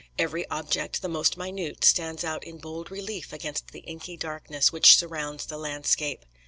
Every object, the most minute, stands out in bold relief against the inky darkness which surrounds the landscape.